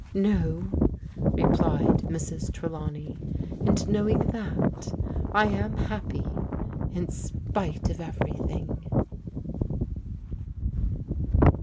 " No," replied Mrs. Trelawney, " and knowing that, I am happy in spite of everything.